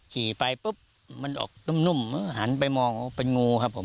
ทุกคนเห็น